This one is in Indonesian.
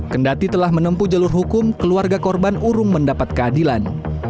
kendati telah menempuh jalur hukum keluarga korban urung mendapat keadilan